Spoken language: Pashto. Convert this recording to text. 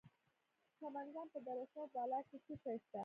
د سمنګان په دره صوف بالا کې څه شی شته؟